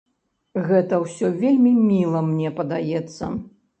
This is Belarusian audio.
Гэта ўсё вельмі міла, мне падаецца.